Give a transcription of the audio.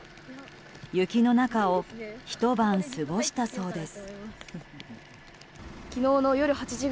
雪の中をひと晩過ごしたそうです。